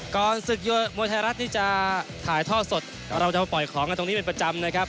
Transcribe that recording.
ศึกยอดมวยไทยรัฐที่จะถ่ายท่อสดเราจะมาปล่อยของกันตรงนี้เป็นประจำนะครับ